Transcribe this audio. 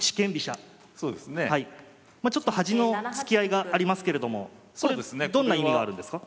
ちょっと端の突き合いがありますけれどもこれどんな意味があるんですか？